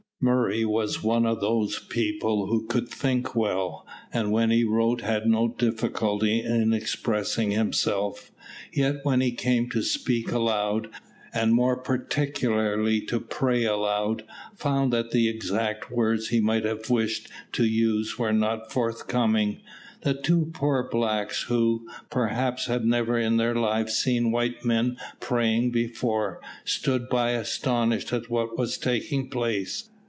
Murray was one of those people who could think well, and when he wrote had no difficulty in expressing himself, yet when he came to speak aloud, and more particularly to pray aloud, found that the exact words he might have wished to use were not forthcoming. The two poor blacks who, perhaps, had never in their lives seen white men praying before, stood by astonished at what was taking place.